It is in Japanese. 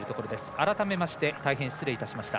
改めまして大変失礼いたしました。